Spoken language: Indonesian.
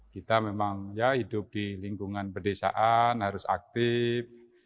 kita memang hidup di lingkungan berdesaan harus aktif